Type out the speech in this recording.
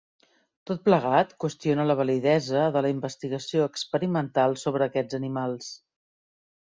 Tot plegat qüestiona la validesa de la investigació experimental sobre aquests animals.